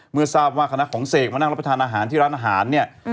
เมื่อทราบว่าคณะของเสกมานั่งรับประทานอาหารที่ร้านอาหารเนี่ย